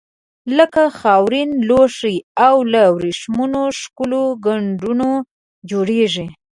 لکه خاورین لوښي او له وریښمو ښکلي ګنډونه جوړیږي.